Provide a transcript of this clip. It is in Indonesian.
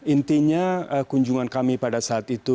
intinya kunjungan kami pada saat itu